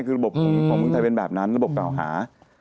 คือระบบของเมืองไทยเป็นแบบนั้นระบบเก่าหา